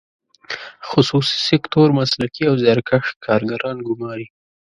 خصوصي سکتور مسلکي او زیارکښ کارګران ګماري.